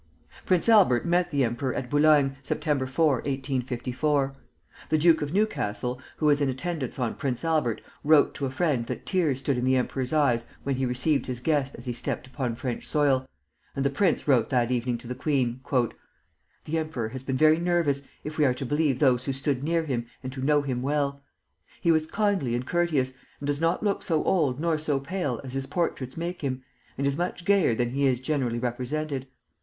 Prince Albert met the emperor at Boulogne, Sept. 4, 1854. The Duke of Newcastle, who was in attendance on Prince Albert, wrote to a friend that tears stood in the emperor's eyes when he received his guest as he stepped upon French soil; and the prince wrote that evening to the queen: "The emperor has been very nervous, if we are to believe those who stood near him and who know him well. He was kindly and courteous, and does not look so old nor so pale as his portraits make him, and is much gayer than he is generally represented.